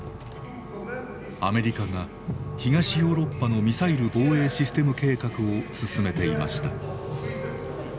アメリカが東ヨーロッパのミサイル防衛システム計画を進めていました。